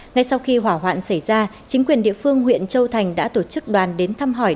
ngay sau khi hỏa hoạn xảy ra chính quyền địa phương huyện châu thành đã tổ chức đoàn đến thăm hỏi